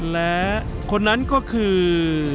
และคนนั้นก็คือ